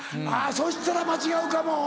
そしたら間違うかもうん。